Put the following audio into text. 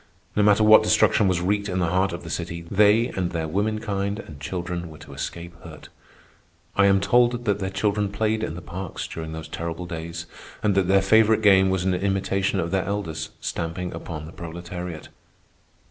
No matter what destruction was wreaked in the heart of the city, they, and their womenkind and children, were to escape hurt. I am told that their children played in the parks during those terrible days and that their favorite game was an imitation of their elders stamping upon the proletariat.